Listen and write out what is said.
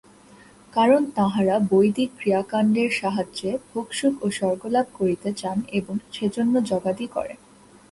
কারণ তাঁহারা বৈদিক ক্রিয়াকাণ্ডের সাহায্যে ভোগসুখ ও স্বর্গলাভ করিতে চান এবং সেজন্য যজ্ঞাদি করেন।